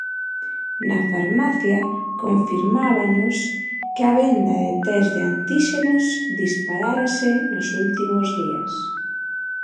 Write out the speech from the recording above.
Na farmacia confirmábannos que a venda de tests de antíxenos disparárase nos últimos días.